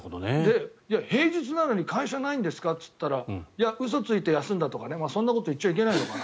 平日なのに会社ないんですか？と聞いたら嘘をついて休んだとかそんなこと言っちゃいけないのかな。